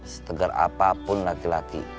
setegar apapun laki laki